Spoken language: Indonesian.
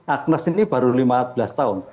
agnes ini baru lima belas tahun